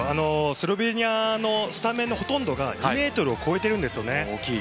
スロベニアのスタメンのほとんどが２ｍを超えているんです。